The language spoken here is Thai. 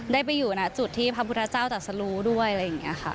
ได้ไปอยู่ณจุดที่พระพุทธเจ้าตัดสรุด้วยอะไรอย่างนี้ค่ะ